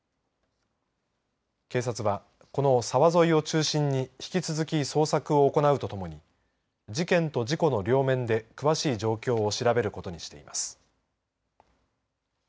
警察はこの沢沿いを中心に引き続き捜索を行うとともに事件と事故の両面で詳しい状況を調べることにしています。